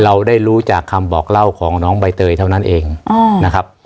เราได้รู้จากคำบอกเล่าของน้องใบเตยเท่านั้นเองนะครับ